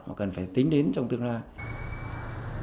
mà cần phải tính đến trong tương lai